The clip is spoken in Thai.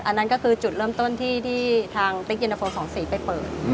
อันนั้นก็คือจุดเริ่มต้นที่ทางติ๊กเย็นตะโฟ๒สีไปเปิด